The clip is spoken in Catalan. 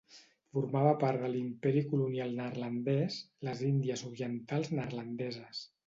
Formava part de l'Imperi Colonial neerlandès, les Índies Orientals Neerlandeses.